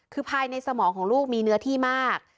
คือภายในสมองของลูกมีเนื้อที่มาก